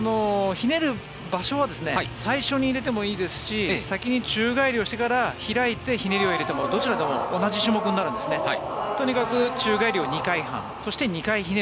ひねる場所は最初に入れてもいいですし先に宙返りをしてから開いてひねりを入れてもどちらでも同じ種目になるんですね。